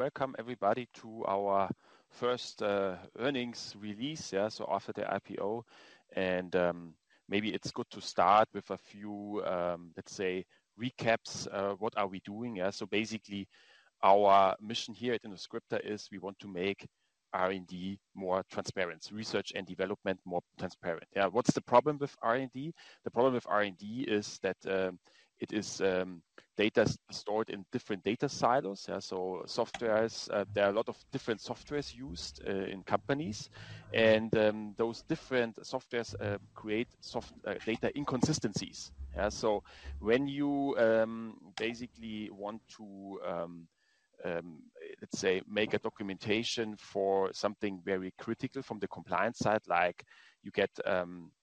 Welcome everybody to our First Earnings Release, yeah, so after the IPO, and maybe it's good to start with a few, let's say recaps of what we are doing, yeah, so basically our mission here at innoscripta is we want to make R&D more transparent research and development more transparent, yeah. What is the problem with R&D? The problem with R&D is that it is data stored in different data silos. yeah, so softwares there are a lot of different softwares used in companies and those different softwares create soft data inconsistencies. yeah, so when you basically want to, let's say, make a documentation for something very critical from the compliance side like you get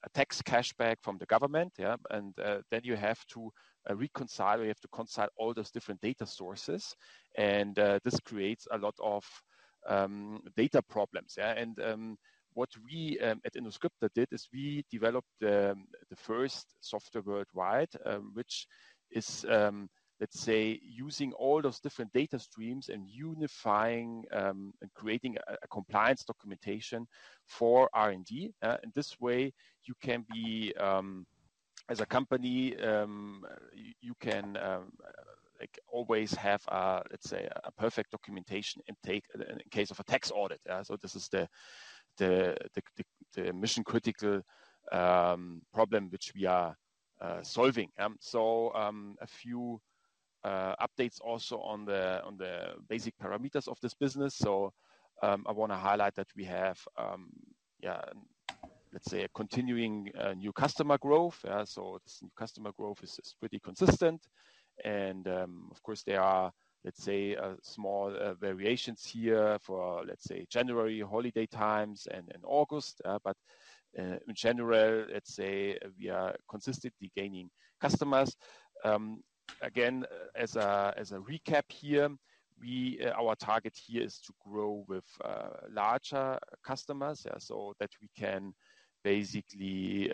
a tax cashback from the government, yeah, and then you have to reconcile, you have to consult all those different data sources, and this creates a lot of data problems, yeah. What we at innoscripta did is we developed the first software worldwide which is, let's say, using all those different data streams and unifying and creating a compliance documentation for R&D, yeah. In this way you can be as a company you can like always have a, let's say, a perfect documentation intake in case of a tax audit, yeah. This is the mission-critical problem which we are solving. A few updates also on the basic parameters of this business. I want to highlight that we have, yeah, let's say, a continuing new customer growth, yeah. This new customer growth is pretty consistent. Of course there are, let's say, small variations here for let's say, January holiday times and August, yeah. In general let's say, we are consistently gaining customers. Again, as a recap here, our target here is to grow with larger customers, yeah, so that we can basically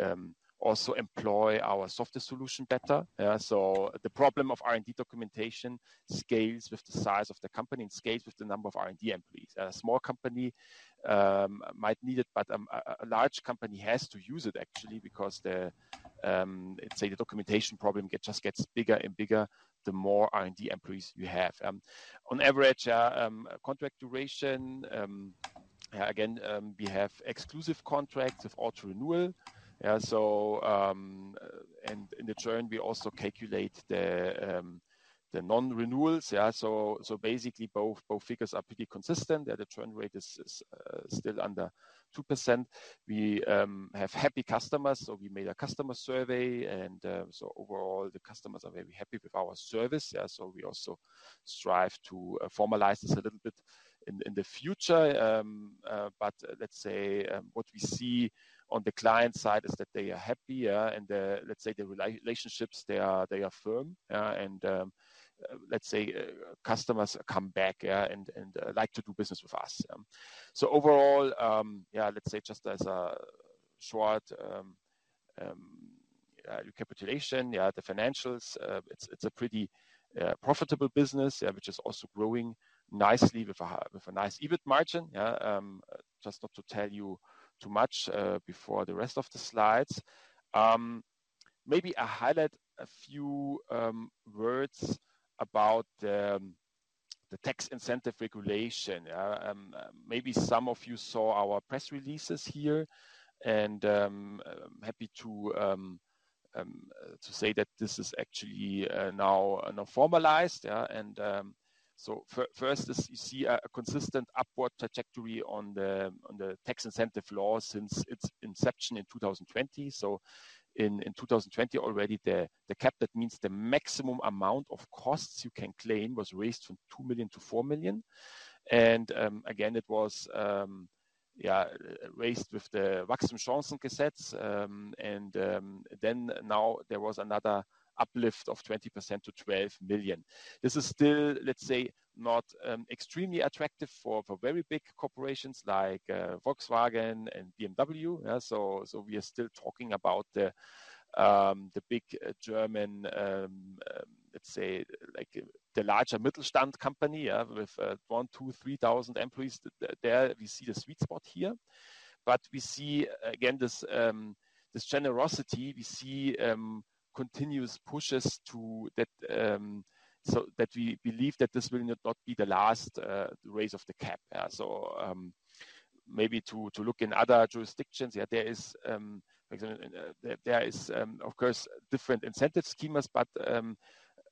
also employ our software solution better, yeah. So the problem of R&D documentation scales with the size of the company and scales with the number of R&D employees. A small company might need it, but a large company has to use it actually because the, let's say, the documentation problem just gets bigger and bigger the more R&D employees you have. On average contract duration, yeah, again, we have exclusive contracts with auto-renewal, yeah. So and in the churn, we also calculate the non-renewals, yeah. So basically both figures are pretty consistent. Yeah, the churn rate is still under 2%. We have happy customers so we made a customer survey. And so overall the customers are very happy with our service, yeah. So we also strive to formalize this a little bit in the future. But let's say what we see on the client side is that they are happy, yeah. And let's say the relationships they are firm, yeah. And let's say customers come back, yeah, and like to do business with us, yeah. So overall, yeah, let's say just as a short recapitulation, yeah, the financials it's a pretty profitable business, yeah, which is also growing nicely with a nice EBIT margin, yeah. Just not to tell you too much before the rest of the slides. Maybe I highlight a few words about the tax incentive regulation, yeah. Maybe some of you saw our press releases here. And I'm happy to say that this is actually now formalized, yeah. First, you see a consistent upward trajectory on the tax incentive law since its inception in 2020. In 2020 already the cap that means the maximum amount of costs you can claim was raised from 2 million to 4 million. Again, it was raised with the Wachstumschancengesetz, and then now there was another uplift of 20% to 12 million. This is still let's say not extremely attractive for very big corporations like Volkswagen and BMW. We are still talking about the big German let's say like the larger Mittelstand company with 1,000, 2,000, 3,000 employees there. We see the sweet spot here. We see again this generosity w see continuous pushes to that so that we believe that this will not be the last raise of the cap, yeah. So maybe to look in other jurisdictions, yeah. There is for example, there is of course different incentive schemes, but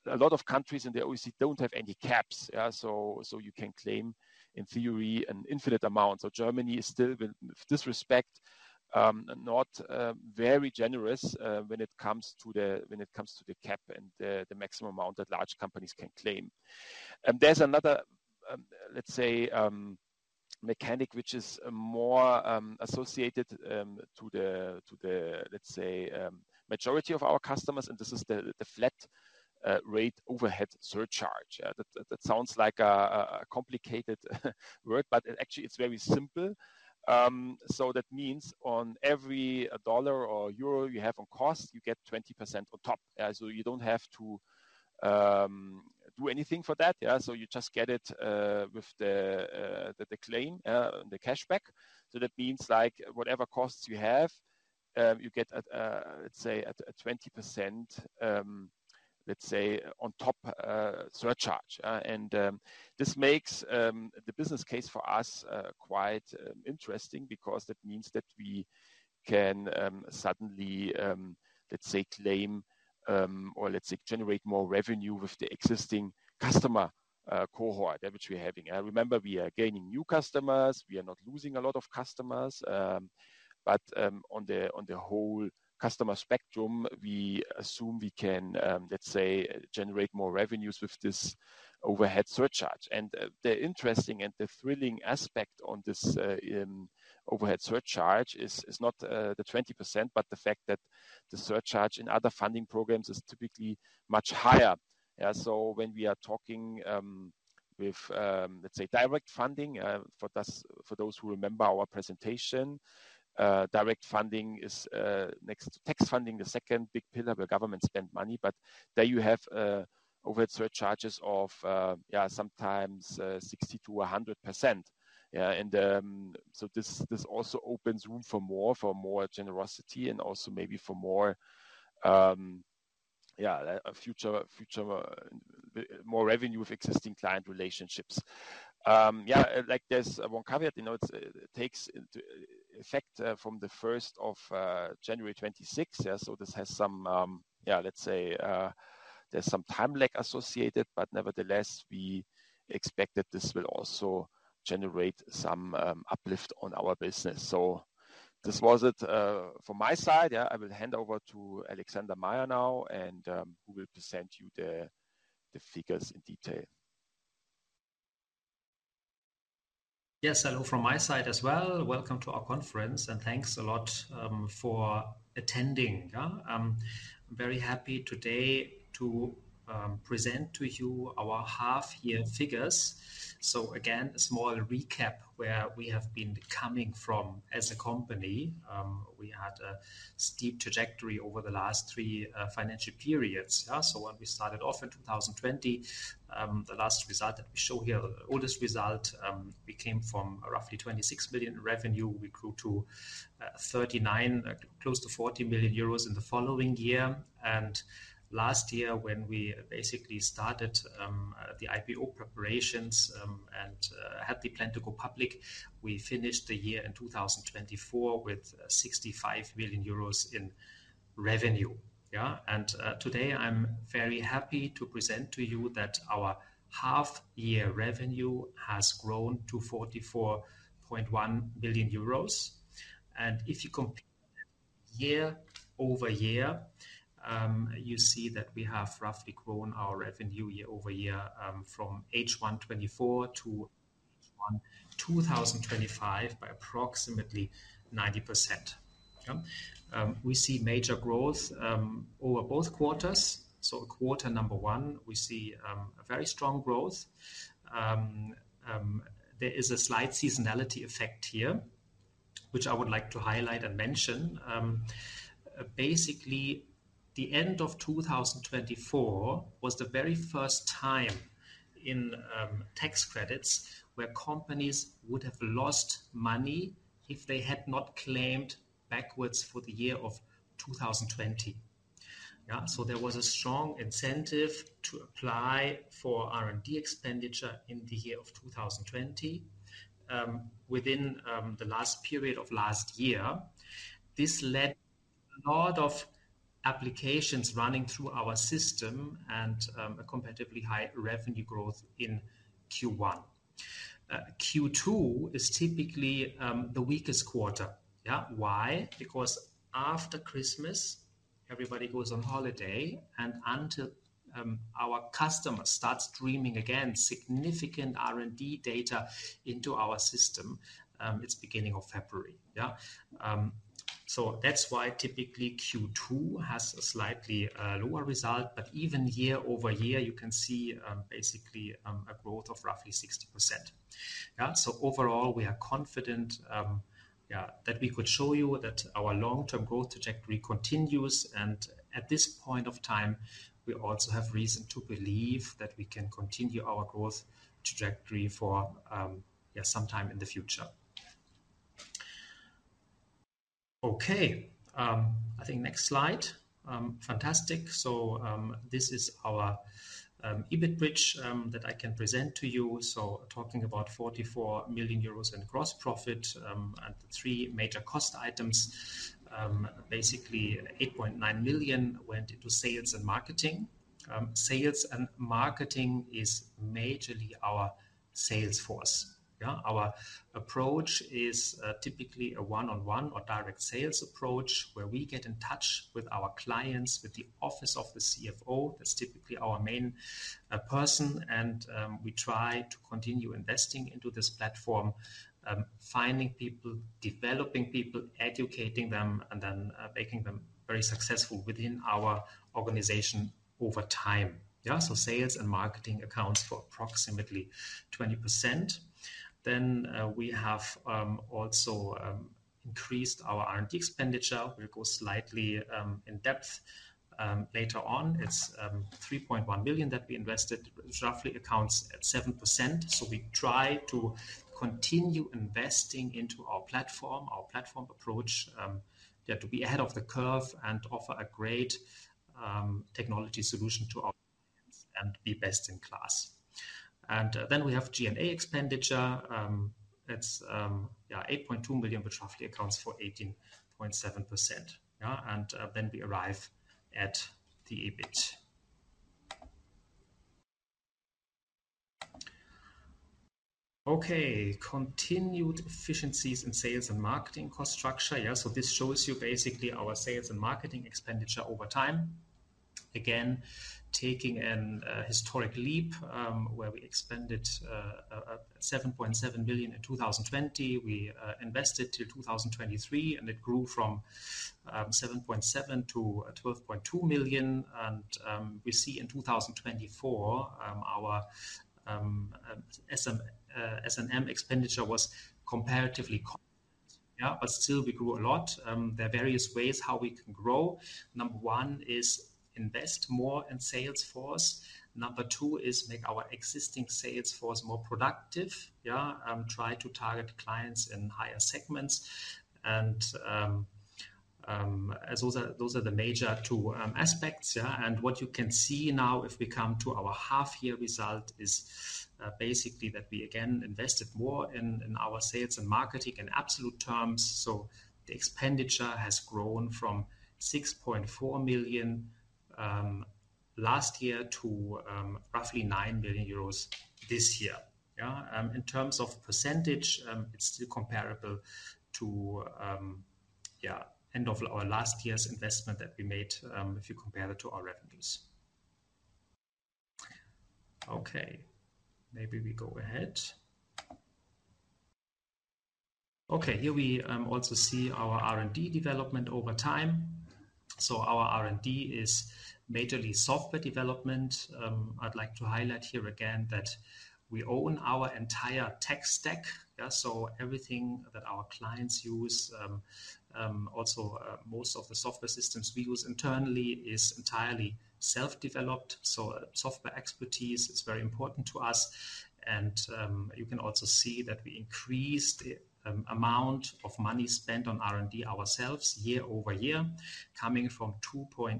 a lot of countries in the OECD don't have any caps, yeah. So you can claim in theory an infinite amount. So Germany is still, with all due respect, not very generous when it comes to the cap and the maximum amount that large companies can claim. There's another, let's say, mechanism which is more associated to the, let's say, majority of our customers. And this is the flat-rate overhead surcharge, yeah. That sounds like a complicated word, but it actually is very simple. So that means on every dollar or euro you have on cost, you get 20% on top, yeah. You don't have to do anything for that, yeah. So you just get it with the claim, yeah, the cashback. So that means like whatever costs you have, you get a 20%, let's say, on top surcharge, yeah. And this makes the business case for us quite interesting because that means that we can suddenly, let's say, claim or let's say generate more revenue with the existing customer cohort, yeah, which we're having. I remember we are gaining new customers; we are not losing a lot of customers. On the whole customer spectrum, we assume we can, let's say, generate more revenues with this overhead surcharge. And the interesting and the thrilling aspect on this overhead surcharge is not the 20%, but the fact that the surcharge in other funding programs is typically much higher, yeah. So when we are talking with let's say direct funding for those who remember our presentation, direct funding is next to tax funding the second big pillar where governments spend money. But there you have overhead surcharges of yeah sometimes 60%-100%, yeah. And so this also opens room for more for more generosity and also maybe for more yeah future more revenue with existing client relationships. yeah, like there's one caveat, you know, it takes into effect from the 1st of January 2026, yeah. So this has some yeah let's say there's some time lag associated, but nevertheless, we expect that this will also generate some uplift on our business. So, this was it from my side, yeah. I will hand over to Alexander Meyer now, who will present you the figures in detail. Yes, hello from my side as well. Welcome to our conference and thanks a lot for attending, yeah. I'm very happy today to present to you our half-year figures. So again, a small recap where we have been coming from as a company. We had a steep trajectory over the last three financial periods, yeah. So when we started off in 2020, the last result that we show here, the oldest result, we came from roughly 26 million EUR in revenue. We grew to 39, close to 40 million euros in the following year. And last year, when we basically started the IPO preparations and had the plan to go public, we finished the year in 2024 with 65 million euros in revenue, yeah. And today I'm very happy to present to you that our half-year revenue has grown to 44.1 million euros. And if you compare year over year, you see that we have roughly grown our revenue year over year, from H1 2024 to H1 2025 by approximately 90%, yeah. We see major growth over both quarters. Quarter number one, we see a very strong growth. There is a slight seasonality effect here, which I would like to highlight and mention. Basically, the end of 2024 was the very first time in tax credits where companies would have lost money if they had not claimed backwards for the year of 2020, yeah. So there was a strong incentive to apply for R&D expenditure in the year of 2020, within the last period of last year. This led to a lot of applications running through our system and a comparatively high revenue growth in Q1. Q2 is typically the weakest quarter, yeah. Why? Because after Christmas, everybody goes on holiday. And until our customer starts entering again significant R&D data into our system, it's beginning of February, yeah. So that's why typically Q2 has a slightly lower result. But even year over year, you can see, basically, a growth of roughly 60%, yeah. So overall, we are confident, yeah, that we could show you that our long-term growth trajectory continues. And at this point of time, we also have reason to believe that we can continue our growth trajectory for, yeah, sometime in the future. Okay, I think next slide, fantastic. So this is our EBIT bridge that I can present to you. So talking about 44 million euros in gross profit, and the three major cost items, basically 8.9 million went into sales and marketing. Sales and marketing is majorly our sales force, yeah. Our approach is typically a one-on-one or direct sales approach where we get in touch with our clients, with the office of the CFO. That's typically our main person. We try to continue investing into this platform, finding people, developing people, educating them, and then making them very successful within our organization over time, yeah. Sales and marketing accounts for approximately 20%. We have also increased our R&D expenditure. We'll go slightly in depth later on. It's 3.1 million that we invested, which roughly accounts at 7%. We try to continue investing into our platform, our platform approach, yeah, to be ahead of the curve and offer a great technology solution to our clients and be best in class. We have G&A expenditure. It's yeah 8.2 million, which roughly accounts for 18.7%, yeah. We arrive at the EBIT. Okay, continued efficiencies in sales and marketing cost structure, yeah, so this shows you basically our sales and marketing expenditure over time. Again, taking an historic leap, where we expended 7.7 million in 2020. We invested till 2023, and it grew from 7.7 million to 12.2 million, and we see in 2024 our SM, S&M expenditure was comparatively. Yeah, but still we grew a lot. There are various ways how we can grow. Number one is invest more in sales force. Number two is make our existing sales force more productive, yeah. Try to target clients in higher segments, and those are the major two aspects, yeah, and what you can see now, if we come to our half-year result, is basically that we again invested more in our sales and marketing in absolute terms. So the expenditure has grown from 6.4 million last year to roughly 9 million euros this year, yeah. In terms of percentage, it's still comparable to, yeah, end of our last year's investment that we made, if you compare that to our revenues. Okay, maybe we go ahead. Okay, here we also see our R&D development over time. So our R&D is majorly software development. I'd like to highlight here again that we own our entire tech stack, yeah. So everything that our clients use, also, most of the software systems we use internally is entirely self-developed. So software expertise is very important to us. And, you can also see that we increased the amount of money spent on R&D ourselves year over year, coming from 2.1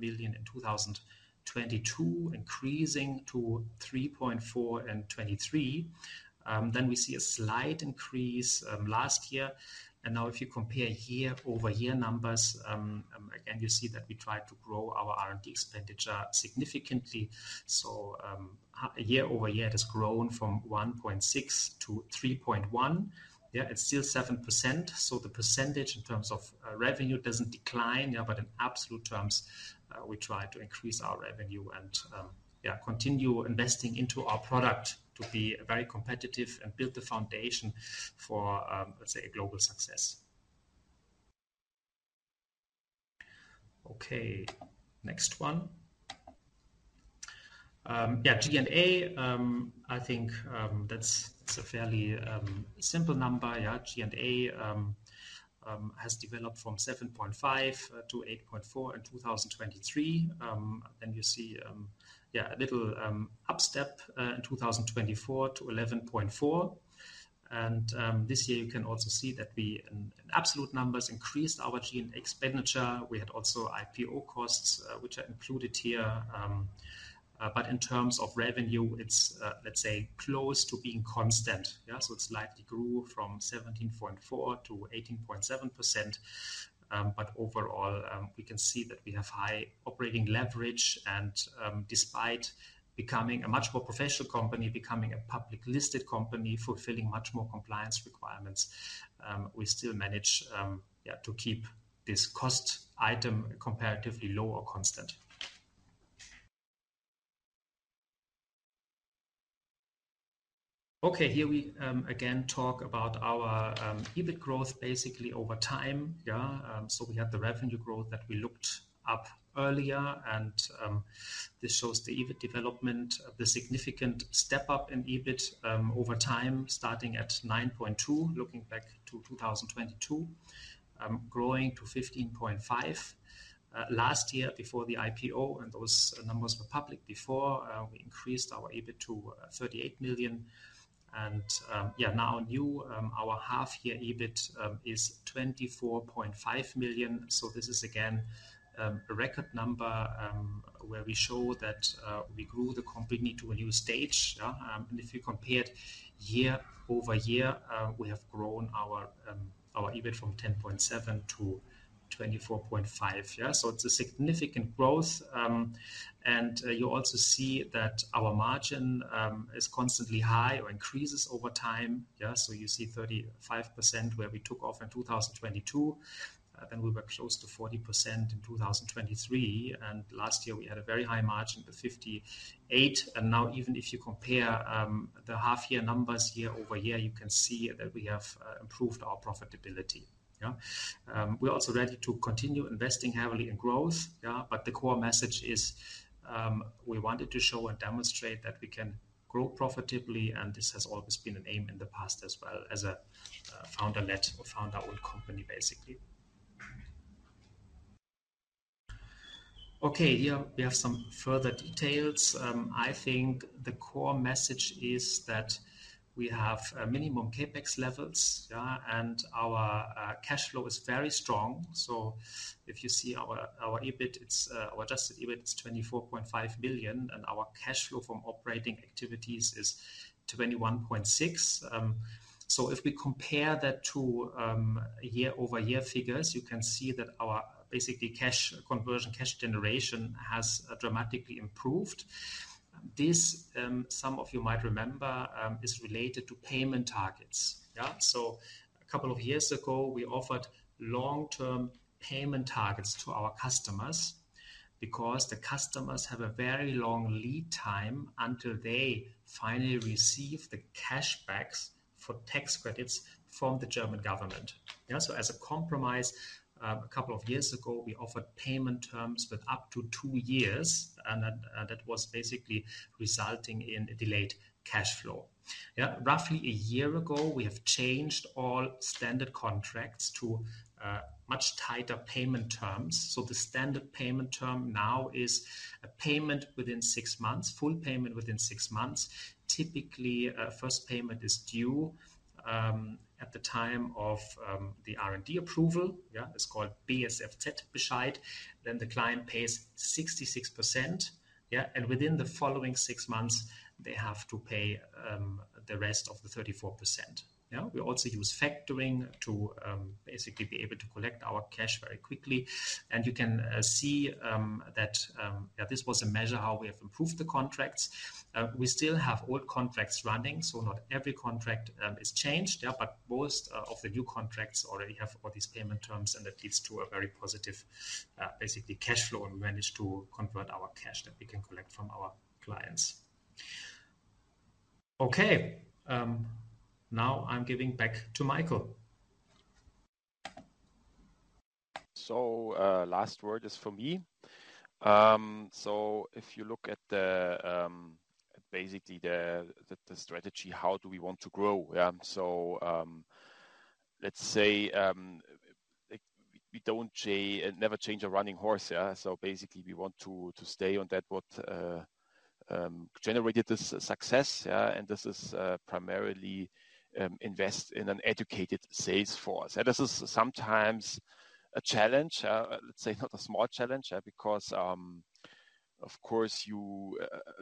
million in 2022, increasing to 3.4 in 2023. Then we see a slight increase last year. And now if you compare year-over-year numbers, again, you see that we tried to grow our R&D expenditure significantly. So, year-over-year, it has grown from 1.6 to 3.1, yeah. It's still 7%. So the percentage in terms of revenue doesn't decline, yeah. But in absolute terms, we try to increase our revenue and, yeah, continue investing into our product to be very competitive and build the foundation for, let's say, a global success. Okay, next one. Yeah, G&A, I think, that's a fairly simple number, yeah. G&A has developed from 7.5 to 8.4 in 2023. Then you see, yeah, a little upstep in 2024 to 11.4. And this year you can also see that we in absolute numbers increased our G&A expenditure. We had also IPO costs, which are included here. But in terms of revenue, it's, let's say, close to being constant, yeah. So it's slightly grew from 17.4% to 18.7%, but overall, we can see that we have high operating leverage. Despite becoming a much more professional company, becoming a public listed company, fulfilling much more compliance requirements, we still manage, yeah, to keep this cost item comparatively low or constant. Okay, here we again talk about our EBIT growth basically over time, yeah. So we had the revenue growth that we looked up earlier. And this shows the EBIT development, the significant step up in EBIT over time, starting at 9.2, looking back to 2022, growing to 15.5, last year before the IPO. And those numbers were public before. We increased our EBIT to 38 million. And yeah, now new, our half-year EBIT is 24.5 million. So this is again a record number, where we show that we grew the company to a new stage, yeah. And if you compared year-over-year, we have grown our EBIT from 10.7 to 24.5, yeah. So it's a significant growth. And you also see that our margin is constantly high or increases over time, yeah. So you see 35% where we took off in 2022. Then we were close to 40% in 2023. And last year we had a very high margin of 58%. And now even if you compare the half-year numbers year-over-year, you can see that we have improved our profitability, yeah. We're also ready to continue investing heavily in growth, yeah. But the core message is, we wanted to show and demonstrate that we can grow profitably. And this has always been an aim in the past as well as a founder-led or founder-owned company, basically. Okay, here we have some further details. I think the core message is that we have minimum CapEx levels, yeah. Our cash flow is very strong. So if you see our EBIT, our adjusted EBIT is 24.5 million. Our cash flow from operating activities is 21.6 million. So if we compare that to year-over-year figures, you can see that our basically cash conversion, cash generation has dramatically improved. This, some of you might remember, is related to payment targets, yeah. So a couple of years ago, we offered long-term payment targets to our customers because the customers have a very long lead time until they finally receive the cash backs for tax credits from the German government, yeah. So as a compromise, a couple of years ago, we offered payment terms with up to two years. And that was basically resulting in a delayed cash flow, yeah. Roughly a year ago, we have changed all standard contracts to much tighter payment terms. So the standard payment term now is a payment within six months, full payment within six months. Typically, first payment is due at the time of the R&D approval, yeah. It's called BSFZ Bescheid. Then the client pays 66%, yeah. And within the following six months, they have to pay the rest of the 34%, yeah. We also use factoring to basically be able to collect our cash very quickly. And you can see that, yeah, this was a measure how we have improved the contracts. We still have old contracts running, so not every contract is changed, yeah. But most of the new contracts already have all these payment terms. And that leads to a very positive basically cash flow. And we managed to convert our cash that we can collect from our clients. Okay, now I'm giving back to Michael. so last word is for me. So if you look at basically the strategy, how do we want to grow, yeah? So let's say we don't change and never change a running horse, yeah. So basically we want to stay on that what generated this success, yeah. And this is primarily invest in an educated sales force. And this is sometimes a challenge, let's say not a small challenge, yeah, because of course you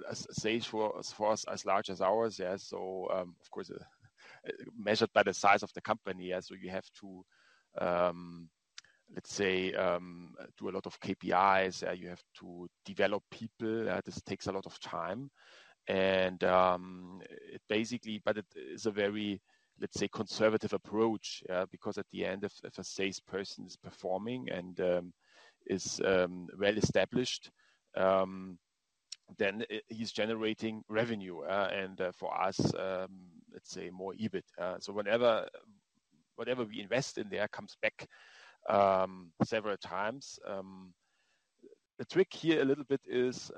a sales force as large as ours, yeah. So of course measured by the size of the company, yeah. So you have to let's say do a lot of KPIs, yeah. You have to develop people, yeah. This takes a lot of time. And it basically but it is a very let's say conservative approach, yeah. Because at the end, if a salesperson is performing and is well established, then he's generating revenue, yeah. For us, let's say more EBIT, yeah. So whatever we invest in there comes back several times. The trick here a little bit is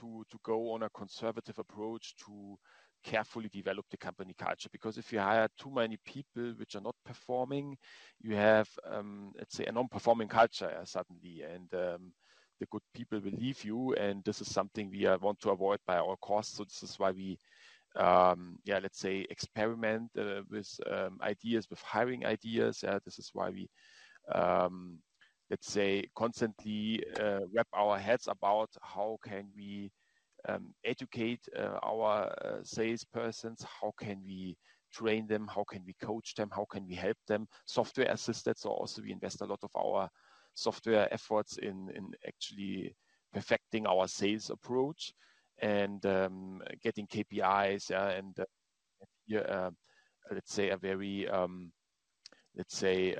to go on a conservative approach to carefully develop the company culture. Because if you hire too many people which are not performing, you have, let's say, a non-performing culture, yeah, suddenly. The good people will leave you. This is something we want to avoid by all costs. This is why we, yeah, let's say, experiment with ideas, with hiring ideas, yeah. This is why we, let's say, constantly wrap our heads about how can we educate our salespersons, how can we train them, how can we coach them, how can we help them, software assisted. So also we invest a lot of our software efforts in actually perfecting our sales approach and getting KPIs, yeah. Here, let's say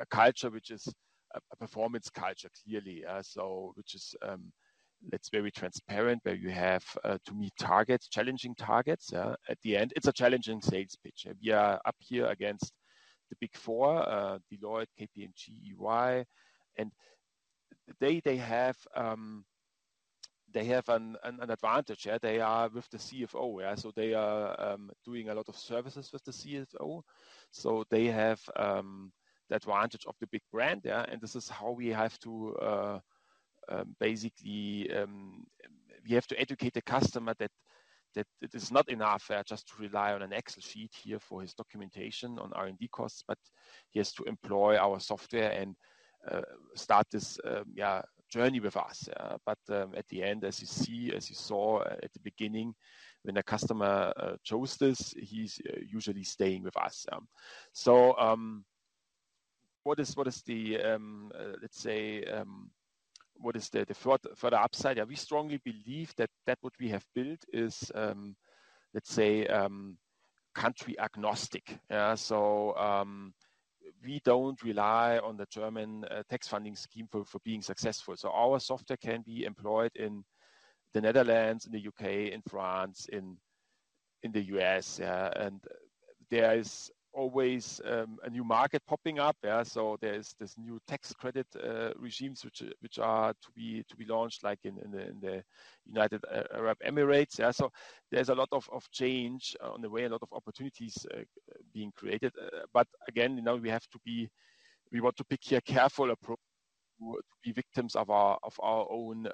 a culture which is a performance culture clearly, yeah. So which is let's be very transparent where you have to meet targets, challenging targets, yeah. At the end, it's a challenging sales pitch. We are up against the Big Four, Deloitte, KPMG, EY. They have an advantage, yeah. They are with the CFO, yeah. So they are doing a lot of services with the CFO. So they have the advantage of the big brand, yeah. This is how we have to basically educate the customer that it is not enough, yeah, just to rely on an Excel sheet here for his documentation on R&D costs. But he has to employ our software and start this journey with us, yeah. But at the end, as you see, as you saw at the beginning, when a customer chose this, he's usually staying with us, yeah. So what is the further upside, yeah? We strongly believe that what we have built is, let's say, country agnostic, yeah. So we don't rely on the German tax funding scheme for being successful. So our software can be employed in the Netherlands, in the U.K., in France, in the U.S., yeah. And there is always a new market popping up, yeah. So there is this new tax credit regimes which are to be launched like in the United Arab Emirates, yeah. So there's a lot of change on the way, a lot of opportunities being created. But again, you know, we have to be. We want to pick here careful approach to be victims of our own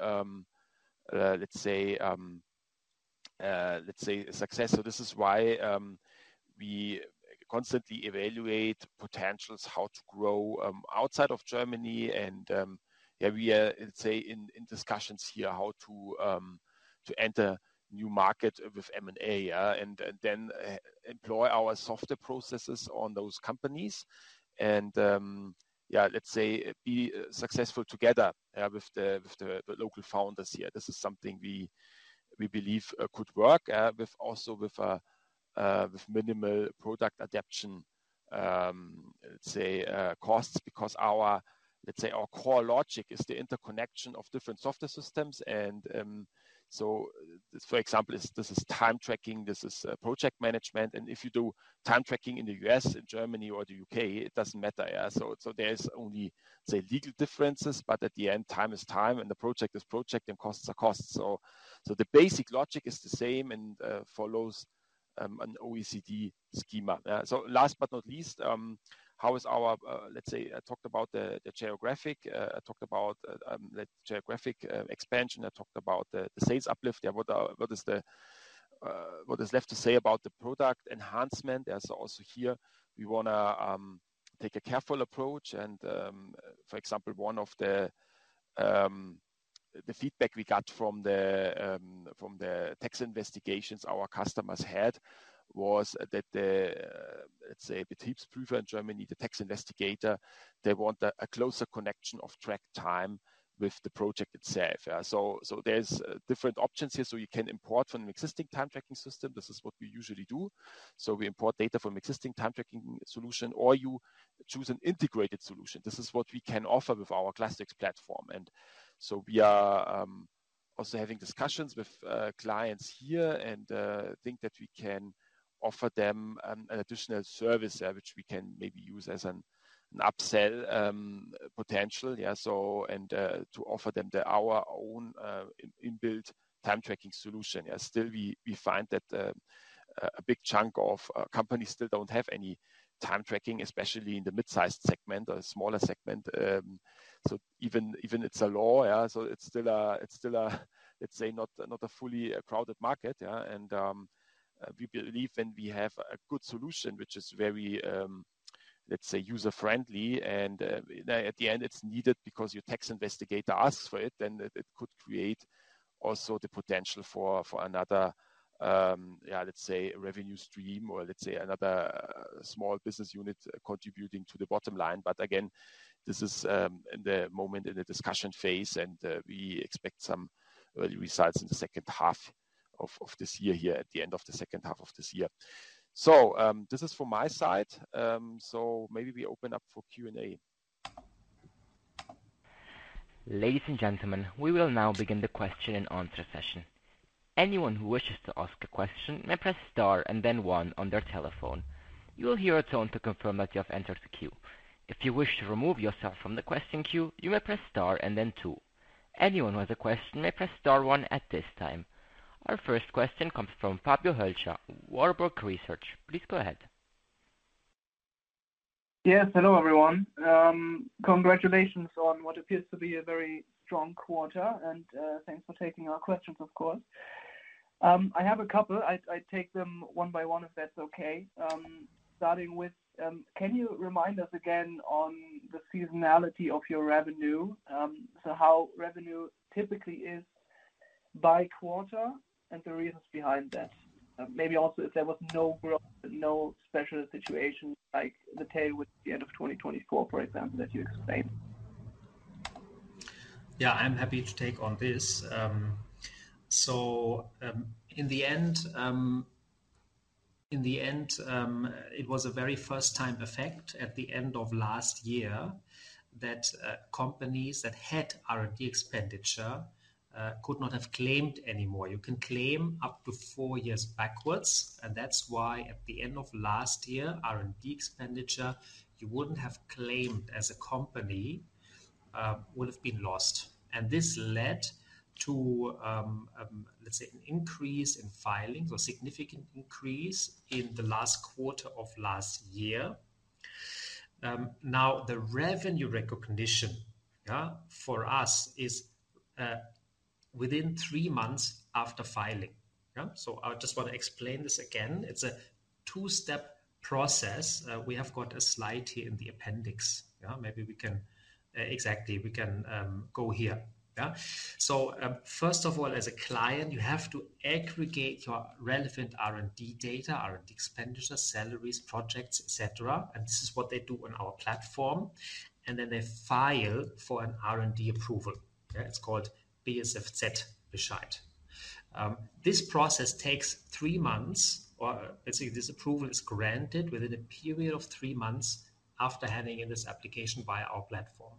success. So this is why we constantly evaluate potentials how to grow outside of Germany. And yeah, we are, let's say, in discussions here how to enter new market with M&A, yeah. And then employ our software processes on those companies. And yeah, let's say be successful together, yeah, with the local founders here. This is something we believe could work, yeah, with also a minimal product adaptation, let's say, costs. Because our core logic is the interconnection of different software systems. And so for example, this is time tracking, this is project management. If you do time tracking in the U.S., in Germany or the U.K., it doesn't matter, yeah. So there's only, let's say, legal differences. But at the end, time is time. And the project is project and costs are costs. So the basic logic is the same and follows an OECD schema, yeah. So last but not least, let's say, I talked about the geographic expansion. I talked about the sales uplift, yeah. What is left to say about the product enhancement? Yeah. So also here we wanna take a careful approach. For example, one of the feedback we got from the tax investigations our customers had was that the, let's say, Betriebsprüfer in Germany, the tax investigator, they want a closer connection of track time with the project itself, yeah. There's different options here. You can import from an existing time tracking system. This is what we usually do. We import data from existing time tracking solution or you choose an integrated solution. This is what we can offer with our Classics platform. We are also having discussions with clients here and think that we can offer them an additional service, yeah, which we can maybe use as an upsell potential, yeah. To offer them our own in-built time tracking solution, yeah. Still, we find that a big chunk of companies still don't have any time tracking, especially in the mid-sized segment or smaller segment. So even it's a law, yeah. So it's still a let's say not a fully crowded market, yeah. And we believe when we have a good solution, which is very let's say user-friendly and at the end it's needed because your tax investigator asks for it, then it could create also the potential for another yeah let's say revenue stream or let's say another small business unit contributing to the bottom line. But again, this is in the moment in the discussion phase. And we expect some early results in the second half of this year here at the end of the second half of this year. So this is from my side. So maybe we open up for Q&A. Ladies and gentlemen, we will now begin the question and answer session. Anyone who wishes to ask a question may press star and then one on their telephone. You will hear a tone to confirm that you have entered the queue. If you wish to remove yourself from the question queue, you may press star and then two. Anyone who has a question may press star one at this time. Our first question comes from Fabio Hölscher, Warburg Research. Please go ahead. Yes, hello everyone. Congratulations on what appears to be a very strong quarter. Thanks for taking our questions, of course. I have a couple. I take them one by one if that's okay. Starting with, can you remind us again on the seasonality of your revenue, so how revenue typically is by quarter and the reasons behind that? Maybe also if there was no growth, no special situation like the tailwind at the end of 2024, for example, that you explained. Yeah, I'm happy to take on this. In the end, it was a very first-time effect at the end of last year that companies that had R&D expenditure could not have claimed anymore. You can claim up to four years backwards, and that's why at the end of last year, R&D expenditure you wouldn't have claimed as a company would have been lost, and this led to, let's say, an increase in filings or significant increase in the last quarter of last year. Now the revenue recognition, yeah, for us is within three months after filing, yeah, so I just wanna explain this again. It's a two-step process. We have got a slide here in the appendix, yeah. Maybe we can exactly go here, yeah. So, first of all, as a client, you have to aggregate your relevant R&D data, R&D expenditure, salaries, projects, et cetera. And this is what they do on our platform. And then they file for an R&D approval, yeah. It's called BSFZ Bescheid. This process takes three months or basically this approval is granted within a period of three months after handing in this application via our platform.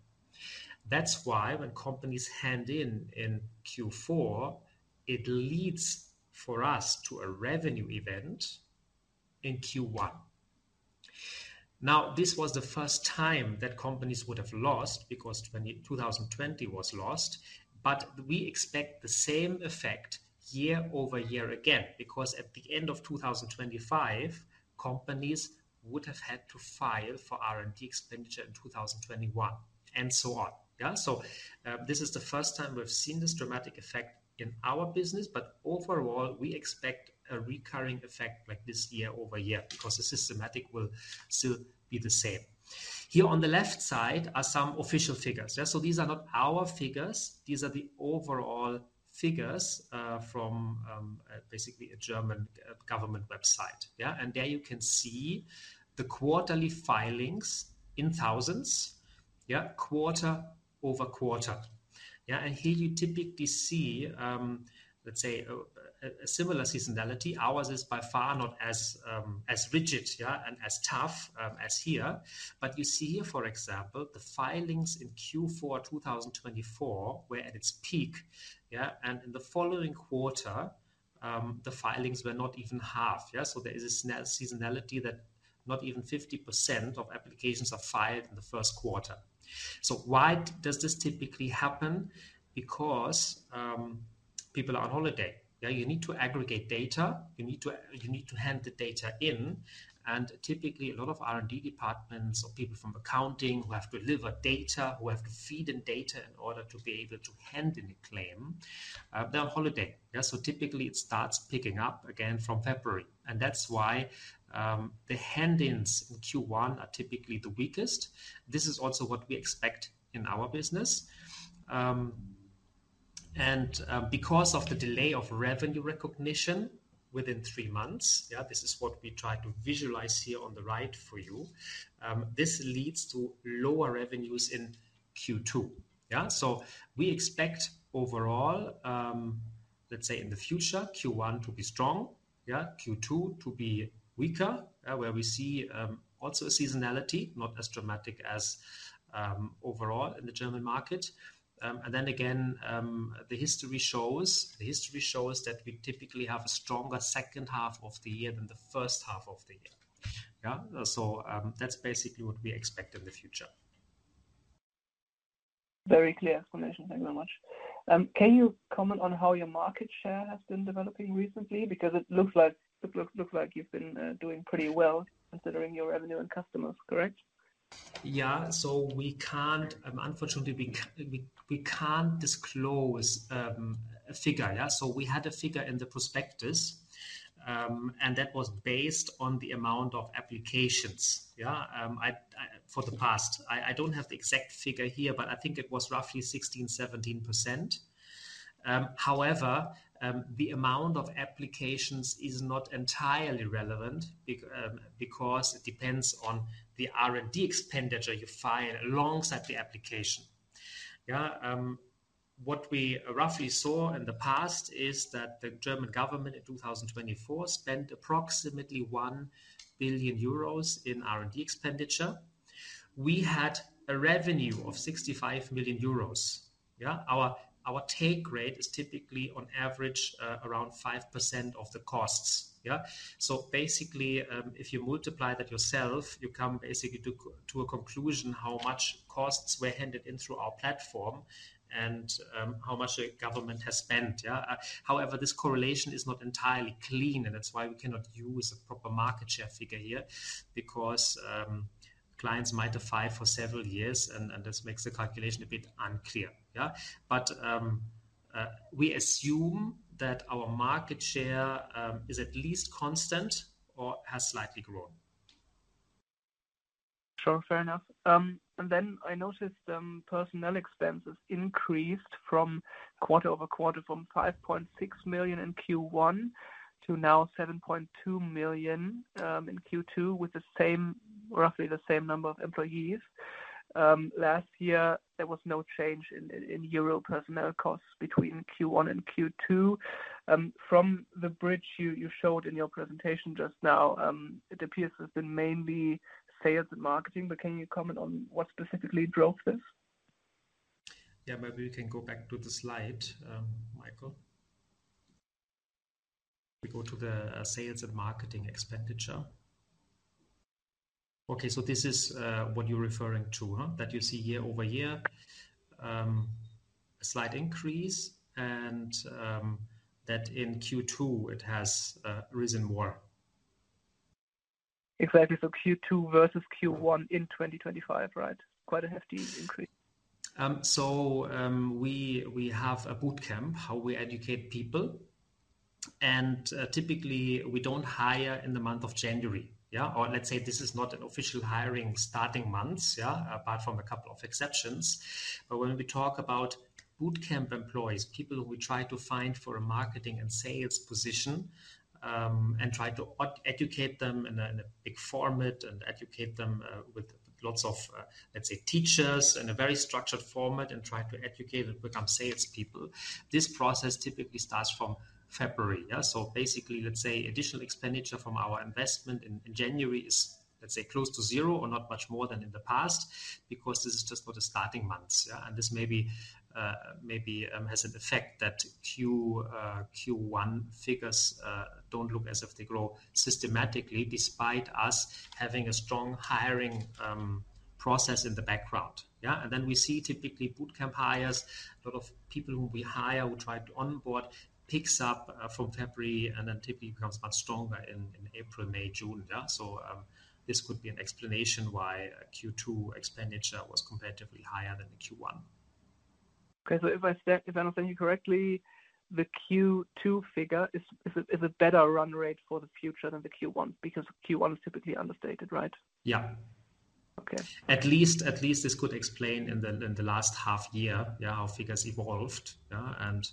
That's why when companies hand in Q4, it leads for us to a revenue event in Q1. Now, this was the first time that companies would have lost because 2020 was lost. But we expect the same effect year over year again because at the end of 2025, companies would have had to file for R&D expenditure in 2021 and so on, yeah. So, this is the first time we've seen this dramatic effect in our business. But overall, we expect a recurring effect like this year over year because the systematic will still be the same. Here on the left side are some official figures, yeah. So these are not our figures. These are the overall figures, from, basically a German government website, yeah. And there you can see the quarterly filings in thousands, yeah, quarter over quarter, yeah. And here you typically see, let's say, a similar seasonality. Ours is by far not as, as rigid, yeah, and as tough, as here. But you see here, for example, the filings in Q4 2024 were at its peak, yeah. And in the following quarter, the filings were not even half, yeah. So there is a seasonality that not even 50% of applications are filed in the first quarter. So why does this typically happen? Because, people are on holiday, yeah. You need to aggregate data. You need to hand the data in. Typically a lot of R&D departments or people from accounting who have to deliver data, who have to feed in data in order to be able to hand in a claim, they're on holiday, yeah. Typically it starts picking up again from February. That's why the hand-ins in Q1 are typically the weakest. This is also what we expect in our business. Because of the delay of revenue recognition within three months, yeah, this is what we try to visualize here on the right for you. This leads to lower revenues in Q2, yeah. We expect overall, let's say in the future, Q1 to be strong, yeah, Q2 to be weaker, yeah, where we see also a seasonality, not as dramatic as overall in the German market. And then again, the history shows that we typically have a stronger second half of the year than the first half of the year, yeah. So, that's basically what we expect in the future. Very clear explanation. Thank you very much. Can you comment on how your market share has been developing recently? Because it looks like you've been doing pretty well considering your revenue and customers, correct? Yeah. So we can't, unfortunately we can't disclose a figure, yeah. So we had a figure in the prospectus, and that was based on the amount of applications, yeah. For the past, I don't have the exact figure here, but I think it was roughly 16-17%. However, the amount of applications is not entirely relevant because it depends on the R&D expenditure you file alongside the application, yeah. What we roughly saw in the past is that the German government in 2024 spent approximately 1 billion euros in R&D expenditure. We had a revenue of 65 million euros, yeah. Our take rate is typically on average around 5% of the costs, yeah. So basically, if you multiply that yourself, you come basically to a conclusion how much costs were handed in through our platform and how much the government has spent, yeah. However, this correlation is not entirely clean. And that's why we cannot use a proper market share figure here because clients might have filed for several years. And this makes the calculation a bit unclear, yeah. But we assume that our market share is at least constant or has slightly grown. Sure, fair enough, and then I noticed personnel expenses increased from quarter over quarter from 5.6 million in Q1 to now 7.2 million in Q2 with the same, roughly the same number of employees. Last year there was no change in euro personnel costs between Q1 and Q2. From the bridge you showed in your presentation just now, it appears there's been mainly sales and marketing. But can you comment on what specifically drove this? Yeah, maybe we can go back to the slide, Michael. We go to the sales and marketing expenditure. Okay. So this is what you're referring to, huh, that you see year over year a slight increase. And that in Q2 it has risen more. Exactly. So Q2 versus Q1 in 2025, right? Quite a hefty increase. So, we have a bootcamp on how we educate people. Typically we don't hire in the month of January, yeah. Or let's say this is not an official hiring starting month, yeah, apart from a couple of exceptions. But when we talk about bootcamp employees, people who we try to find for a marketing and sales position, and try to educate them in a big format and educate them, with lots of, let's say teachers in a very structured format and try to educate them to become salespeople. This process typically starts from February, yeah. Basically, let's say additional expenditure from our investment in January is, let's say, close to zero or not much more than in the past because this is just for the starting months, yeah. And this maybe has an effect that Q1 figures don't look as if they grow systematically despite us having a strong hiring process in the background, yeah. And then we see typically bootcamp hires, a lot of people who we hire who tried to onboard picks up from February and then typically becomes much stronger in April, May, June, yeah. So, this could be an explanation why Q2 expenditure was comparatively higher than the Q1. Okay. So if I understand you correctly, the Q2 figure is a better run rate for the future than the Q1 because Q1 is typically understated, right? Yeah. Okay. At least this could explain in the last half year, yeah, how figures evolved, yeah. And,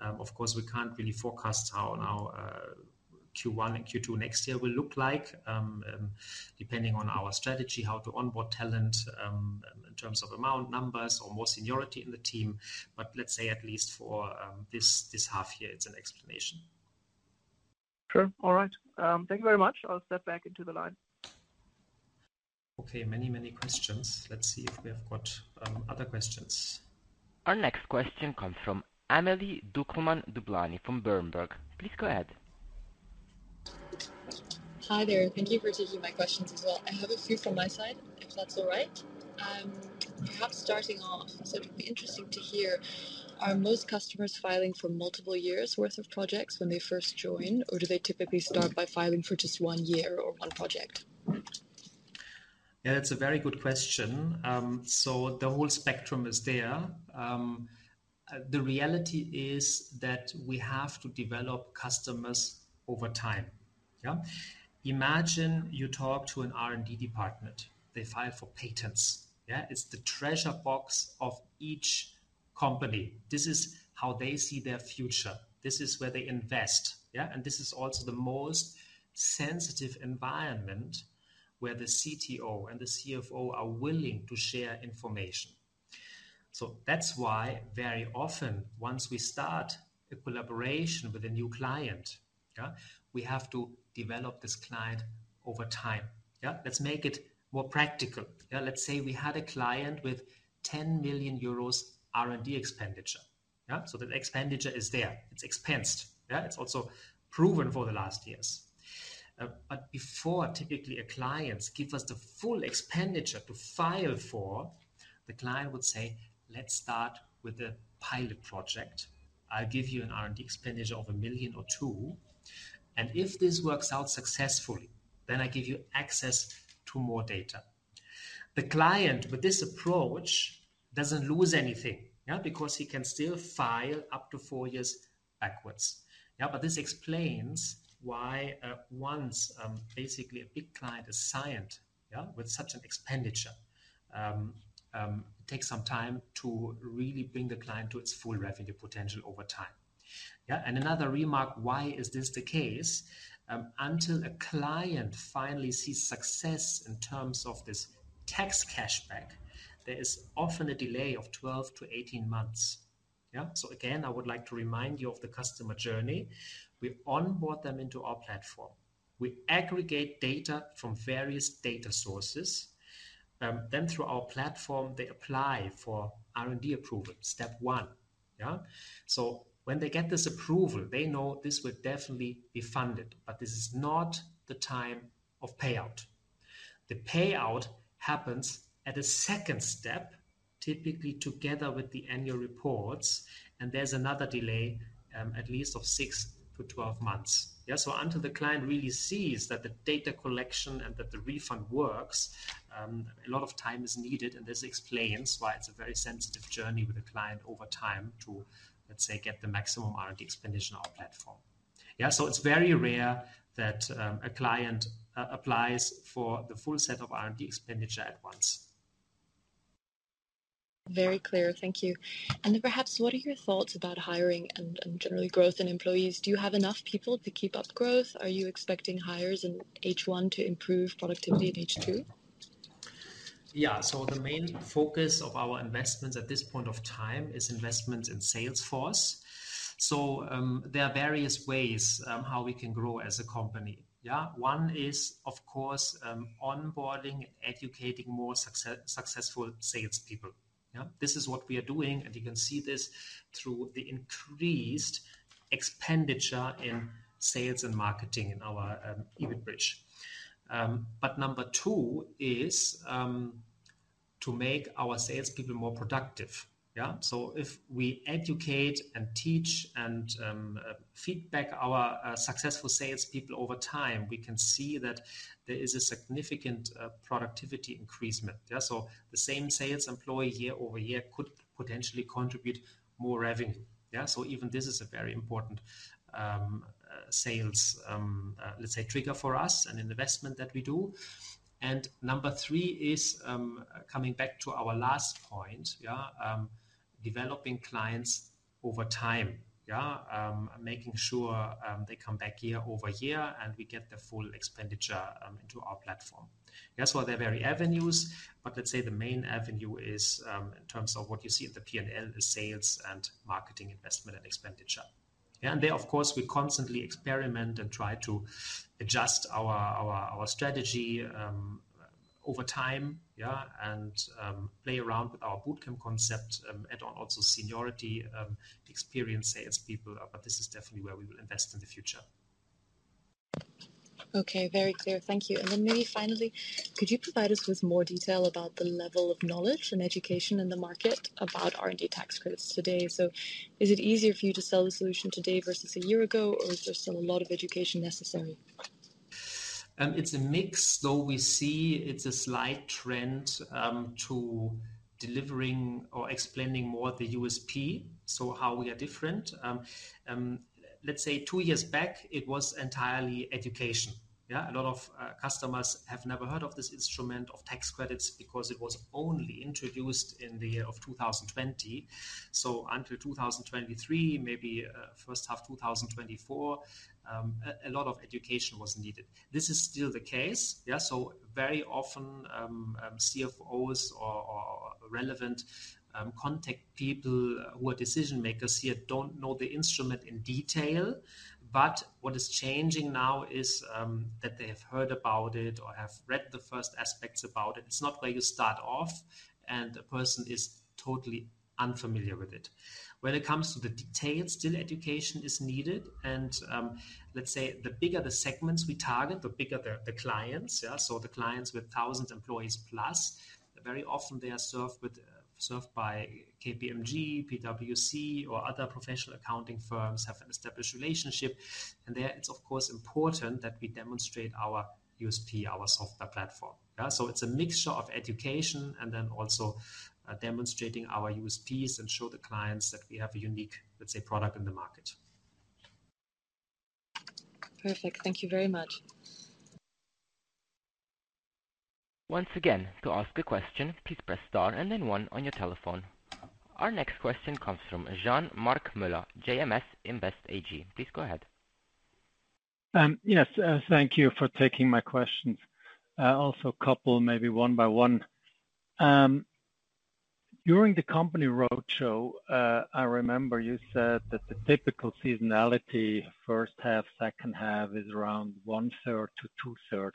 of course we can't really forecast how now, Q1 and Q2 next year will look like, depending on our strategy, how to onboard talent, in terms of amount, numbers, or more seniority in the team. But let's say at least for this half year it's an explanation. Sure. All right. Thank you very much. I'll step back into the line. Okay. Many, many questions. Let's see if we have got other questions. Our next question comes from Amelie Dueckelmann-Dublany from Berenberg. Please go ahead. Hi there. Thank you for taking my questions as well. I have a few from my side, if that's all right. Perhaps starting off, so it'd be interesting to hear, are most customers filing for multiple years' worth of projects when they first join, or do they typically start by filing for just one year or one project? Yeah, that's a very good question. So the whole spectrum is there. The reality is that we have to develop customers over time, yeah. Imagine you talk to an R&D department. They file for patents, yeah. It's the treasure box of each company. This is how they see their future. This is where they invest, yeah, and this is also the most sensitive environment where the CTO and the CFO are willing to share information, so that's why very often once we start a collaboration with a new client, yeah, we have to develop this client over time, yeah. Let's make it more practical, yeah. Let's say we had a client with 10 million euros R&D expenditure, yeah. So the expenditure is there. It's expensed, yeah. It's also proven for the last years. But before typically a client gives us the full expenditure to file for, the client would say, "Let's start with a pilot project. I'll give you an R&D expenditure of 1 million or 2. And if this works out successfully, then I give you access to more data." The client with this approach doesn't lose anything, yeah, because he can still file up to four years backwards, yeah. But this explains why, once, basically a big client is signed, yeah, with such an expenditure, it takes some time to really bring the client to its full revenue potential over time, yeah. And another remark, why is this the case? Until a client finally sees success in terms of this tax cashback, there is often a delay of 12-18 months, yeah. So again, I would like to remind you of the customer journey. We onboard them into our platform. We aggregate data from various data sources, then through our platform, they apply for R&D approval, step one, yeah. So when they get this approval, they know this will definitely be funded. But this is not the time of payout. The payout happens at a second step, typically together with the annual reports. And there's another delay, at least of six to 12 months, yeah. So until the client really sees that the data collection and that the refund works, a lot of time is needed. And this explains why it's a very sensitive journey with a client over time to, let's say, get the maximum R&D expenditure on our platform, yeah. So it's very rare that a client applies for the full set of R&D expenditure at once. Very clear. Thank you. And then perhaps what are your thoughts about hiring and generally growth in employees? Do you have enough people to keep up growth? Are you expecting hires in H1 to improve productivity in H2? Yeah. So the main focus of our investments at this point of time is investments in Salesforce. So, there are various ways, how we can grow as a company, yeah. One is, of course, onboarding and educating more successful salespeople, yeah. This is what we are doing. And you can see this through the increased expenditure in sales and marketing in our EBIT bridge, but number two is, to make our salespeople more productive, yeah. So if we educate and teach and, feedback our, successful salespeople over time, we can see that there is a significant, productivity increasement, yeah. So the same sales employee year over year could potentially contribute more revenue, yeah. So even this is a very important, sales, let's say trigger for us and investment that we do. And number three is, coming back to our last point, yeah, developing clients over time, yeah. Making sure they come back year over year and we get the full expenditure into our platform, yeah, so there are various avenues, but let's say the main avenue is, in terms of what you see in the P&L, sales and marketing investment and expenditure, yeah, and play around with our bootcamp concept, add on also seniority, experienced salespeople, but this is definitely where we will invest in the future. Okay. Very clear. Thank you. And then maybe finally, could you provide us with more detail about the level of knowledge and education in the market about R&D tax credits today? So is it easier for you to sell the solution today versus a year ago, or is there still a lot of education necessary? It's a mix. Though we see it's a slight trend to delivering or explaining more the USP, so how we are different. Let's say two years back it was entirely education, yeah. A lot of customers have never heard of this instrument of tax credits because it was only introduced in the year of 2020. So until 2023, maybe, first half 2024, a lot of education was needed. This is still the case, yeah. So very often, CFOs or relevant contact people who are decision makers here don't know the instrument in detail. But what is changing now is that they have heard about it or have read the first aspects about it. It's not where you start off and a person is totally unfamiliar with it. When it comes to the details, still education is needed. Let's say the bigger the segments we target, the bigger the clients, yeah. The clients with thousands of employees plus very often are served by KPMG, PwC, or other professional accounting firms and have an established relationship. There, it's, of course, important that we demonstrate our USP, our software platform, yeah. It's a mixture of education and then also demonstrating our USPs and show the clients that we have a unique, let's say, product in the market. Perfect. Thank you very much. Once again, to ask a question, please press star and then one on your telephone. Our next question comes from Jean-Marc Müller, JMS Invest AG. Please go ahead. Yes, thank you for taking my questions. Also a couple, maybe one by one. During the company roadshow, I remember you said that the typical seasonality, first half, second half is around one third to two third.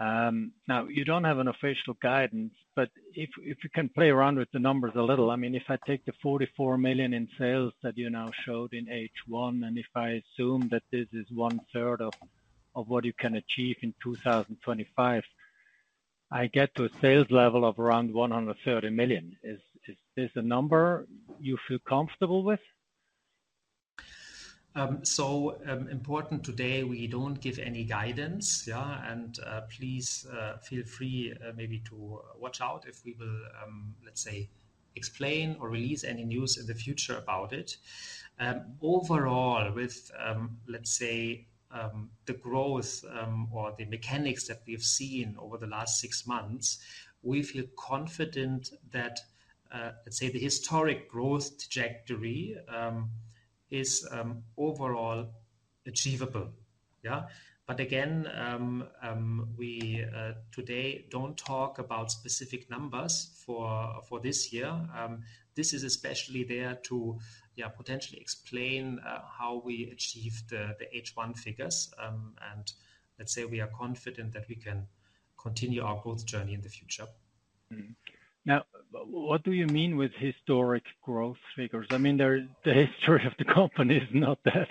Now you don't have an official guidance, but if you can play around with the numbers a little, I mean, if I take the 44 million in sales that you now showed in H1 and if I assume that this is one third of what you can achieve in 2025, I get to a sales level of around 130 million. Is this a number you feel comfortable with? So, important today, we don't give any guidance, yeah. And please, feel free maybe to watch out if we will, let's say, explain or release any news in the future about it. Overall with, let's say, the growth or the mechanics that we've seen over the last six months, we feel confident that, let's say, the historic growth trajectory is overall achievable, yeah. But again, we today don't talk about specific numbers for this year. This is especially there to, yeah, potentially explain how we achieved the H1 figures. And let's say we are confident that we can continue our growth journey in the future. Mm-hmm. Now, what do you mean with historic growth figures? I mean, then the history of the company is not that,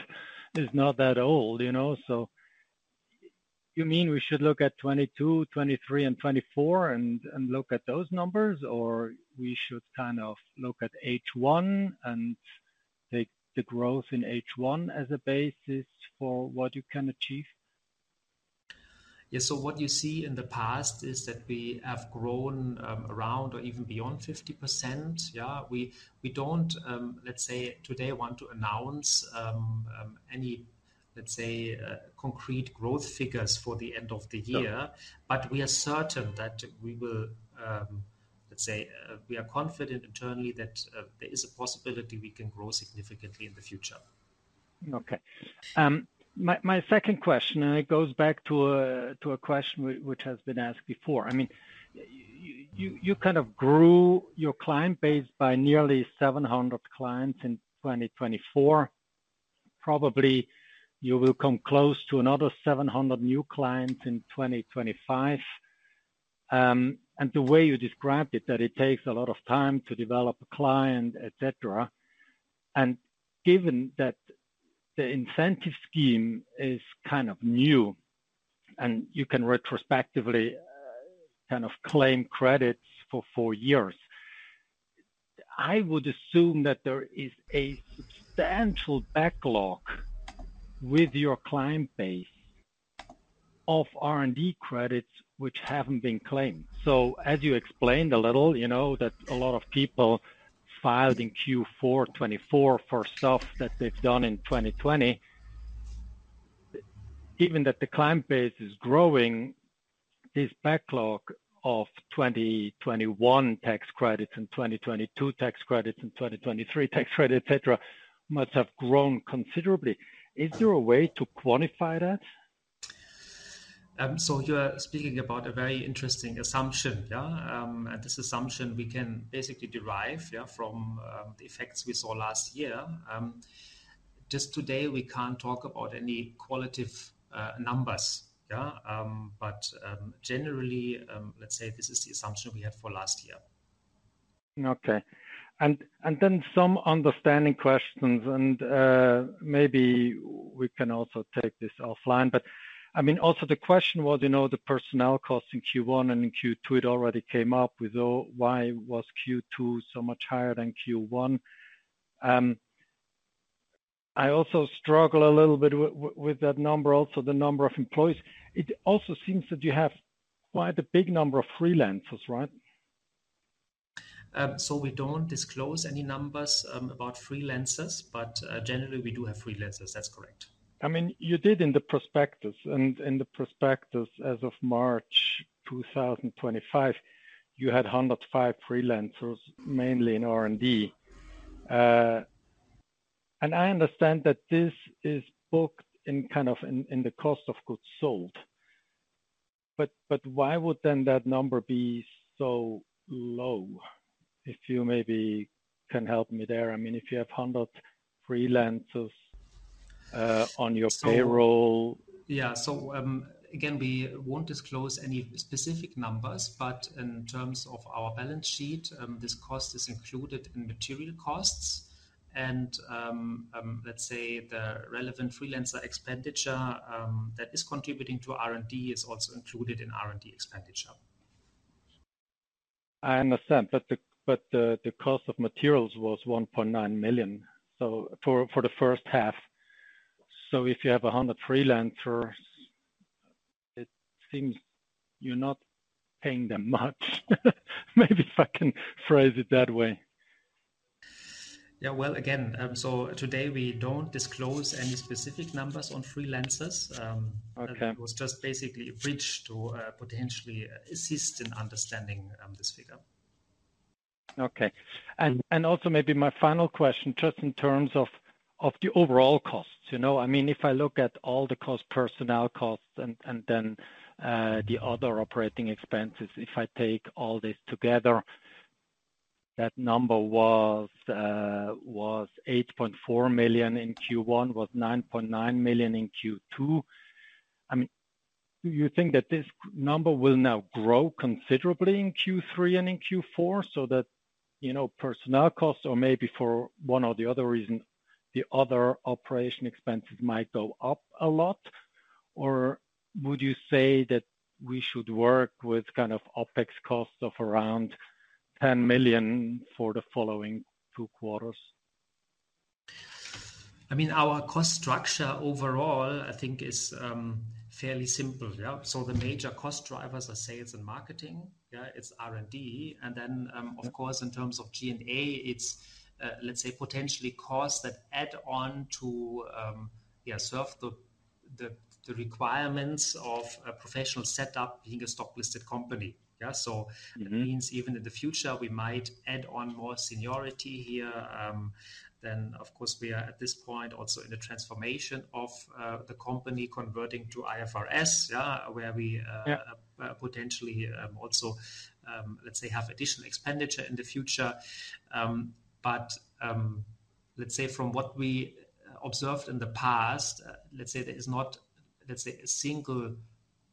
is not that old, you know. So you mean we should look at 2022, 2023, and 2024 and look at those numbers, or we should kind of look at H1 and take the growth in H1 as a basis for what you can achieve? Yeah. So what you see in the past is that we have grown around or even beyond 50%, yeah. We don't, let's say today want to announce any, let's say, concrete growth figures for the end of the year. But we are certain that we will, let's say. We are confident internally that there is a possibility we can grow significantly in the future. Okay. My second question, and it goes back to a question which has been asked before. I mean, you kind of grew your client base by nearly 700 clients in 2024. Probably you will come close to another 700 new clients in 2025. And the way you described it, that it takes a lot of time to develop a client, et cetera. And given that the incentive scheme is kind of new and you can retrospectively kind of claim credits for four years, I would assume that there is a substantial backlog with your client base of R&D credits which haven't been claimed. So as you explained a little, you know, that a lot of people filed in Q4 2024 for stuff that they've done in 2020, even that the client base is growing, this backlog of 2021 tax credits and 2022 tax credits and 2023 tax credit, et cetera, must have grown considerably. Is there a way to quantify that? So you are speaking about a very interesting assumption, yeah. And this assumption we can basically derive, yeah, from the effects we saw last year. Just today we can't talk about any quantitative numbers, yeah. But generally, let's say this is the assumption we had for last year. Okay. And then some understanding questions. And maybe we can also take this offline. But I mean, also the question was, you know, the personnel cost in Q1 and in Q2. It already came up with, oh, why was Q2 so much higher than Q1? I also struggle a little bit with that number, also the number of employees. It also seems that you have quite a big number of freelancers, right? So we don't disclose any numbers about freelancers. But generally we do have freelancers. That's correct. I mean, you did in the prospectus, and in the prospectus as of March 2025, you had 105 freelancers, mainly in R&D, and I understand that this is booked in kind of in the cost of goods sold. But why would then that number be so low? If you maybe can help me there. I mean, if you have 100 freelancers on your payroll. Yeah. So, again, we won't disclose any specific numbers. But in terms of our balance sheet, this cost is included in material costs. And, let's say the relevant freelancer expenditure, that is contributing to R&D is also included in R&D expenditure. I understand. But the cost of materials was 1.9 million. So for the first half. So if you have 100 freelancers, it seems you're not paying them much, maybe if I can phrase it that way. Yeah. Well, again, so today we don't disclose any specific numbers on freelancers. It was just basically a bridge to potentially assist in understanding this figure. Okay. And also maybe my final question, just in terms of the overall costs, you know. I mean, if I look at all the costs, personnel costs, and then the other operating expenses, if I take all this together, that number was 8.4 million in Q1, was 9.9 million in Q2. I mean, do you think that this number will now grow considerably in Q3 and in Q4 so that, you know, personnel costs or maybe for one or the other reason, the other operating expenses might go up a lot? Or would you say that we should work with kind of OPEX costs of around 10 million for the following two quarters? I mean, our cost structure overall, I think, is fairly simple, yeah. So the major cost drivers are sales and marketing, yeah. It's R&D. And then, of course, in terms of G&A, it's let's say potentially costs that add on to, yeah, serve the requirements of a professional setup being a stock-listed company, yeah. So it means even in the future we might add on more seniority here. Then, of course, we are at this point also in the transformation of the company converting to IFRS, yeah, where we potentially also let's say have additional expenditure in the future. But let's say from what we observed in the past, let's say there is not let's say a single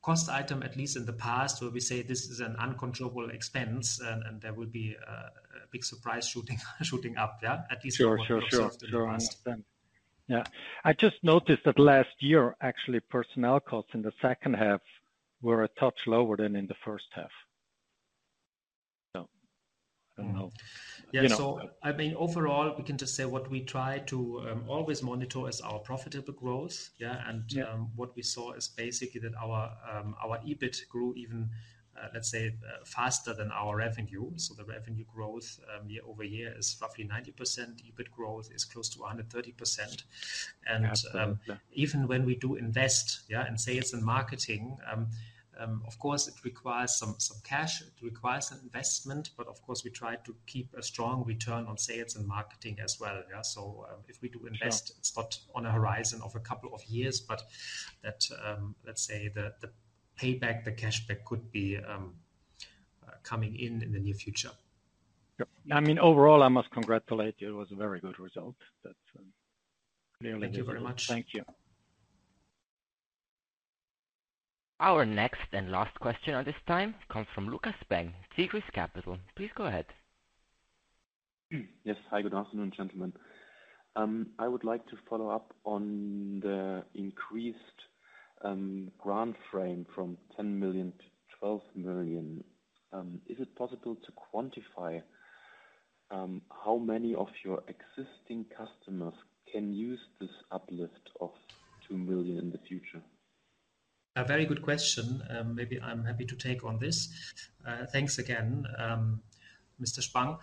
cost item, at least in the past, where we say this is an uncontrollable expense. There will be a big surprise shooting up, yeah, at least for the most of the past. Sure, sure, sure. Yeah. I just noticed that last year, actually, personnel costs in the second half were a touch lower than in the first half. So I don't know, you know. Yeah. So I mean, overall, we can just say what we try to always monitor is our profitable growth, yeah. And what we saw is basically that our EBIT grew even, let's say, faster than our revenue. So the revenue growth, year over year is roughly 90%. EBIT growth is close to 130%. And even when we do invest, yeah, in sales and marketing, of course, it requires some cash. It requires an investment. But of course, we try to keep a strong return on sales and marketing as well, yeah. So if we do invest, it's not on a horizon of a couple of years, but that, let's say the payback, the cashback could be coming in in the near future. Yeah. I mean, overall, I must congratulate you. It was a very good result. That's clearly. Thank you very much. Thank you. Our next and last question at this time comes from Lukas Spang, Tigris Capital. Please go ahead. Yes. Hi, good afternoon, gentlemen. I would like to follow up on the increased guidance from 10 million to 12 million. Is it possible to quantify how many of your existing customers can use this uplift of 2 million in the future? A very good question. Maybe I'm happy to take on this. Thanks again, Mr. Spang.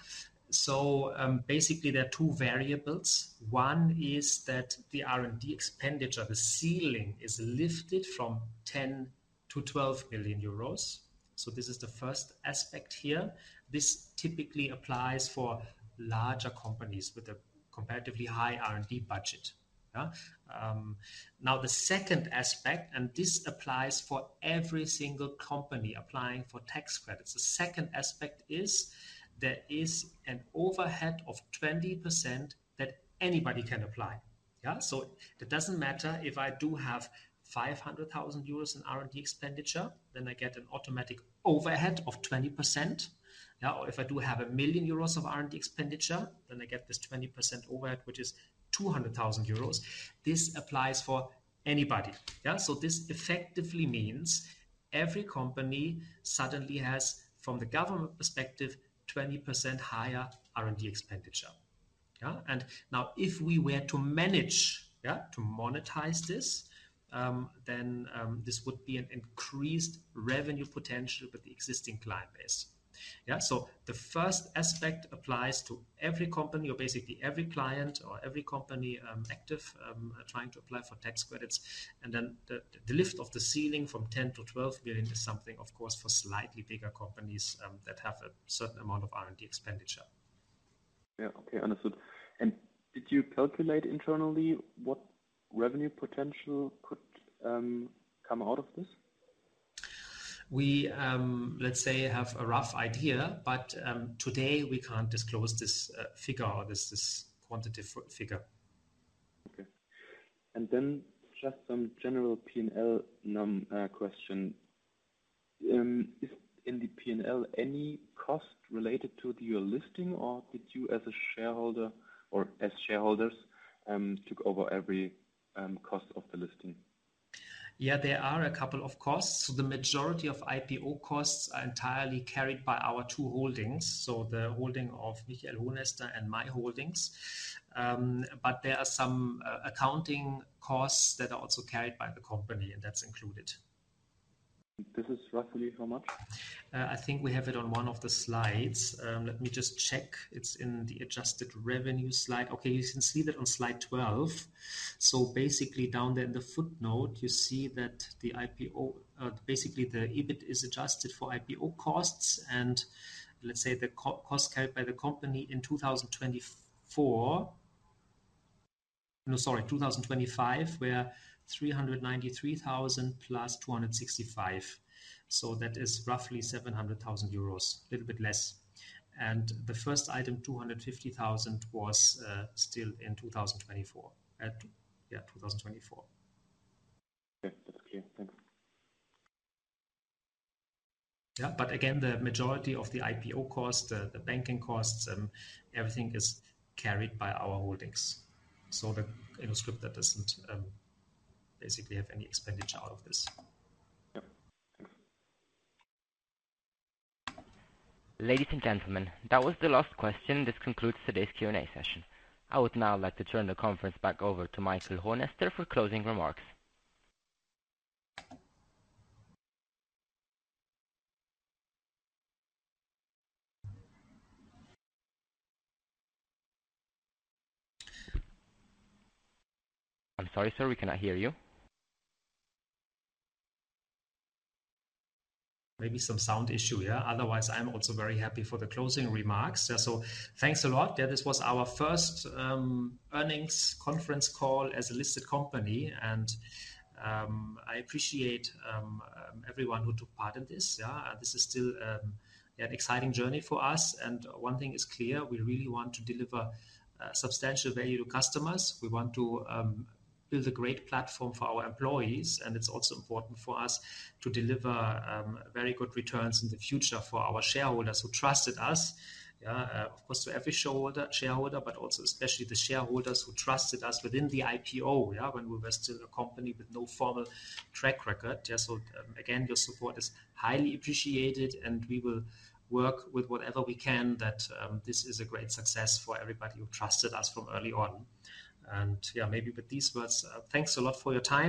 So, basically there are two variables. One is that the R&D expenditure, the ceiling, is lifted from 10-12 million euros. So this is the first aspect here. This typically applies for larger companies with a comparatively high R&D budget, yeah. Now the second aspect, and this applies for every single company applying for tax credits. The second aspect is there is an overhead of 20% that anybody can apply, yeah. So it doesn't matter if I do have 500,000 euros in R&D expenditure, then I get an automatic overhead of 20%, yeah. Or if I do have 1 million euros of R&D expenditure, then I get this 20% overhead, which is 200,000 euros. This applies for anybody, yeah. So this effectively means every company suddenly has, from the government perspective, 20% higher R&D expenditure, yeah. And now if we were to manage, yeah, to monetize this, then, this would be an increased revenue potential with the existing client base, yeah. So the first aspect applies to every company or basically every client or every company, active, trying to apply for tax credits. And then the, the lift of the ceiling from 10 to 12 million is something, of course, for slightly bigger companies, that have a certain amount of R&D expenditure. Yeah. Okay. Understood and did you calculate internally what revenue potential could come out of this? We, let's say, have a rough idea, but today we can't disclose this figure or this quantitative figure. Okay. And then just some general P&L question. Is in the P&L any cost related to your listing, or did you, as a shareholder or as shareholders, took over every cost of the listing? Yeah. There are a couple of costs. So the majority of IPO costs are entirely carried by our two holdings. So the holding of Michael Hohenester and my holdings. But there are some accounting costs that are also carried by the company, and that's included. This is roughly how much? I think we have it on one of the slides. Let me just check. It's in the adjusted revenue slide. Okay. You can see that on Slide 12. So basically down there in the footnote, you see that the IPO, basically the EBIT is adjusted for IPO costs. And let's say the cost carried by the company in 2024, no, sorry, 2025, we're 393,000 plus 265000. So that is roughly 700,000 euros, a little bit less. And the first item, 250,000, was, still in 2024, yeah, 2024. Okay. That's clear. Thanks. Yeah. But again, the majority of the IPO costs, the banking costs, everything is carried by our holdings. So, you know, innoscripta doesn't basically have any expenditure out of this. Yep. Thanks. Ladies and gentlemen, that was the last question. This concludes today's Q&A session. I would now like to turn the conference back over to Michael Hohenester for closing remarks. I'm sorry, sir. We cannot hear you. Maybe some sound issue. Yeah. Otherwise, I'm also very happy for the closing remarks. Yeah. So thanks a lot. Yeah. This was our first earnings conference call as a listed company. I appreciate everyone who took part in this. Yeah. And this is still, yeah, an exciting journey for us. One thing is clear. We really want to deliver substantial value to customers. We want to build a great platform for our employees. It's also important for us to deliver very good returns in the future for our shareholders who trusted us. Yeah, of course, to every shareholder, but also especially the shareholders who trusted us within the IPO. Yeah, when we were still a company with no formal track record. Yeah. Again, your support is highly appreciated. And we will work with whatever we can. This is a great success for everybody who trusted us from early on. And yeah, maybe with these words, thanks a lot for your time.